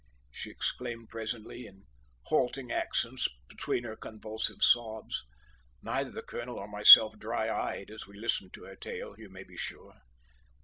she exclaimed presently, in halting accents between her convulsive sobs, neither the colonel or myself dry eyed as we listened to her tale, you may be sure.